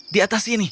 di atas sini